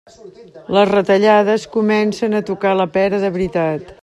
Les retallades comencen a tocar la pera de veritat.